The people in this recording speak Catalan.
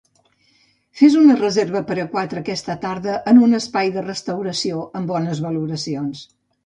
Fes una reserva per a quatre aquesta tarda en un espai de restauració amb bones valoracions